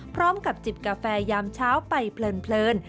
พร้อมกับจิบกาแฟยามเช้าไปเพลิน